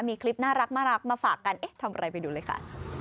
มีคลิปน่ารักมาฝากกันเอ๊ะทำอะไรไปดูเลยค่ะ